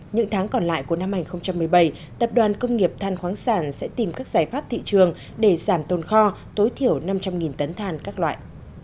những tháng còn lại của năm hai nghìn một mươi bảy tập đoàn công nghiệp than khoáng sản sẽ tìm các giải pháp thị trường để giảm tồn kho tối thiểu năm trăm linh tấn than các loại